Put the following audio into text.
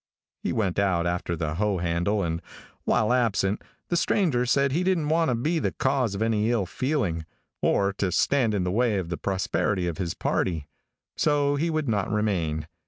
He went out after the hoe handle, and while absent, the stranger said he didn't want to be the cause of any ill feeling, or to stand in the way of the prosperity of his party, so he would not remain.